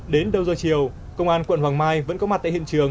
đến đầu giờ chiều công an quận hoàng mai vẫn có mặt tại hiện trường